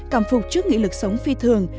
cảm phục trước nghị lực sống phi thường